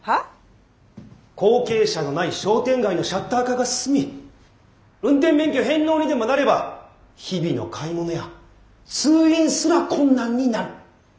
後継者のない商店街のシャッター化が進み運転免許返納にでもなれば日々の買い物や通院すら困難になる。